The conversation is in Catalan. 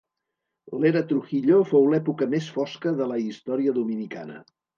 L'Era Trujillo fou l'època més fosca de la història dominicana.